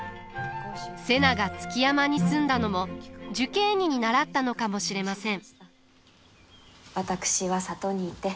瀬名が築山に住んだのも寿桂尼に倣ったのかもしれません。